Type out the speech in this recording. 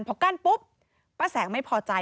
พอกั้นปุ๊บป้าแสงไม่พอใจ